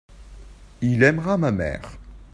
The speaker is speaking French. il aimera ma mère.